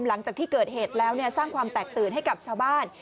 หลังจากที่เกิดเหตุแล้วสร้างความแตกตื่นให้กับชาวบ้าน